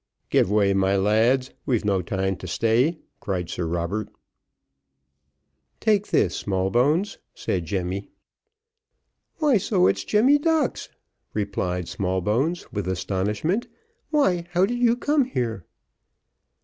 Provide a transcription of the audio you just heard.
"Give way, my lads, we've no time to stay," cried Sir Robert. "Take this, Smallbones," said Jemmy. "Why, so it is, Jemmy Ducks!" replied Smallbones, with astonishment "why, how did you come here?"